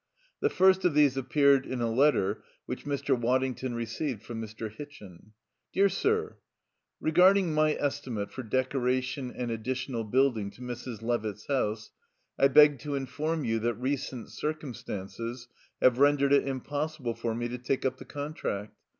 The first of these appeared in a letter which Mr. Waddington received from Mr. Hitchin: "DEAR SIR, "Re my estimate for decoration and additional building to Mrs. Levitt's house, I beg to inform you that recent circumstances have rendered it impossible for me to take up the contract.